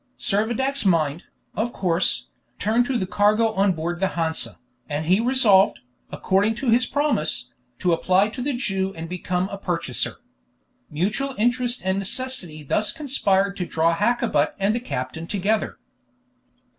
Servadac's mind, of course, turned to the cargo on board the Hansa, and he resolved, according to his promise, to apply to the Jew and become a purchaser. Mutual interest and necessity thus conspired to draw Hakkabut and the captain together.